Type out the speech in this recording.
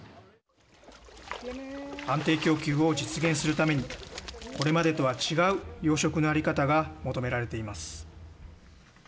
安定供給を実現するためにこれまでとは違う養殖の在り方が求められています。